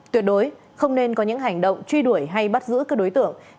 tuyệt đối không nên có những hành động truy đuổi hay bắt giữ các đối tượng